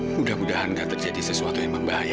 mudah mudahan gak terjadi sesuatu yang membahayakan